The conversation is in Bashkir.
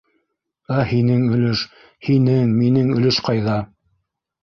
Ә һинең өлөш? һинең, минең өлөш ҡайҙа?!